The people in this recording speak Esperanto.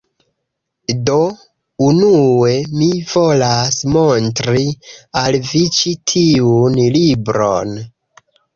Do, unue mi volas montri al vi ĉi tiun libron